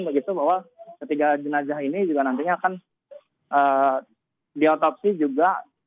begitu bahwa ketiga jenazah ini juga nantinya akan diotopsi juga